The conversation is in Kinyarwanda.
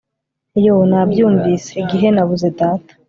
yoo! nabyumvise, igihe nabuze data